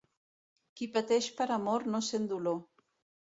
Qui pateix per amor no sent dolor.